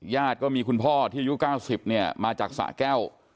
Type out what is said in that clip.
ญาติก็มีคุณพ่อที่อายุ๙๐เนี่ยมาจากสะแก้ว